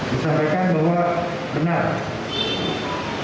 disampaikan bahwa benar